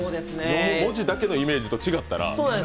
文字だけのイメージと違ったら。